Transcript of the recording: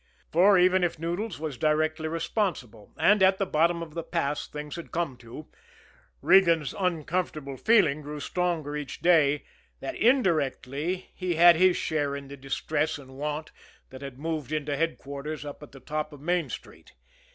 For, even if Noodles was directly responsible and at the bottom of the pass things had come to, Regan's uncomfortable feeling grew stronger each day that indirectly he had his share in the distress and want that had moved into headquarters up at the top of Main Street.